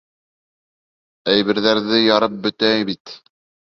Әйберҙәрҙе ярып бөтә бит.